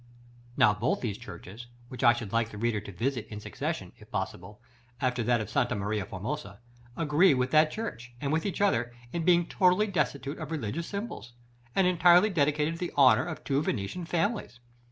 § XX. Now both these churches, which I should like the reader to visit in succession, if possible, after that of Sta. Maria Formosa, agree with that church, and with each other, in being totally destitute of religious symbols, and entirely dedicated to the honor of two Venetian families.